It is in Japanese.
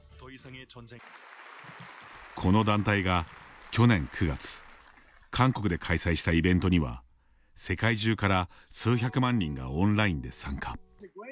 この団体が去年９月韓国で開催したイベントには世界中から数百万人がオンラインで参加。